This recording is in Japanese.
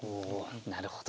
なるほど。